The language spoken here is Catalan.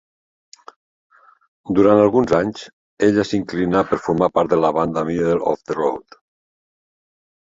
Durant alguns anys, ella s'inclinà per formar part de la banda Middle Of The Road.